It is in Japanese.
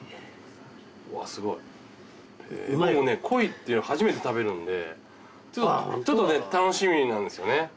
鯉っていうの初めて食べるんでちょっとね楽しみなんですよね。